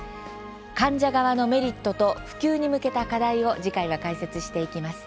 患者側のメリットと普及に向けた課題を次回は解説していきます。